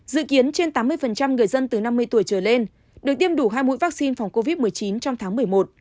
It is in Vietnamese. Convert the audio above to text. dự kiến trên tám mươi người dân từ năm mươi tuổi trở lên được tiêm đủ hai mũi vaccine phòng covid một mươi chín trong tháng một mươi một